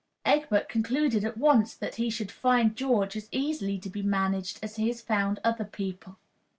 Egbert concluded at once that he should find George as easily to be managed as he had found other people.